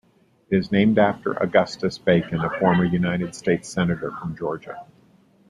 It is named after Augustus Bacon, a former United States Senator from Georgia.